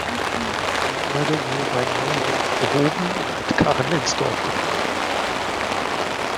Die Tonerde wurde bei Neuhof gehoben und mit Karren ins Dorf gefahren.